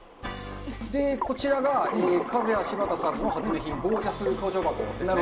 こちらがカズヤシバタさんの発明品、ゴージャス登場箱ですね。